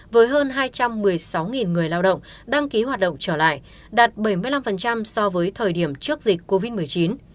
với hơn hai trăm một mươi sáu người lao động đăng ký hoạt động trở lại đạt bảy mươi năm so với thời điểm trước dịch covid một mươi chín